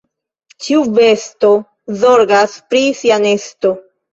Ĉiu besto zorgas pri sia nesto.